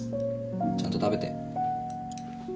ちゃんと食べて。